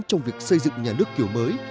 trong việc xây dựng nhà nước kiểu mới